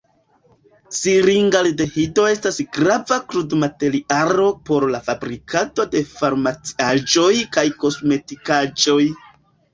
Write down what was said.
Siringaldehido estas grava krudmaterialo por la fabrikado de farmaciaĵoj kaj kosmetikaĵoj.